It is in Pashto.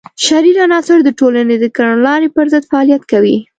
شریر عناصر د ټولنې د کړنلارې پر ضد فعالیت کوي.